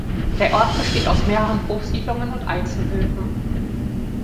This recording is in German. Der Ort besteht aus mehreren Hofsiedlungen und Einzelhöfen.